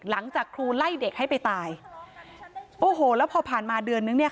หลังจากครูไล่เด็กให้ไปตายโอ้โหแล้วพอผ่านมาเดือนนึงเนี่ย